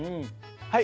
はい！